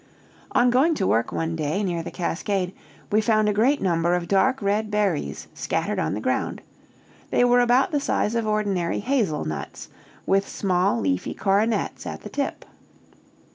On going to work one day, near the cascade, we found a great number of dark red berries scattered on the ground; they were about the size of ordinary hazel nuts, with small leafy coronets at the tip.